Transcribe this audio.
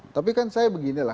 tapi kan saya begini lah